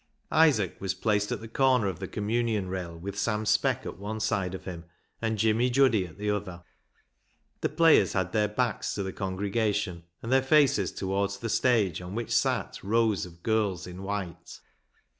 Isaac was placed at the corner of the Com munion rail, with Sam Speck at one side of him and Jimmy Juddy at the other. The players had their backs to the congregation, and their faces towards the stage on which sat rows of girls in white.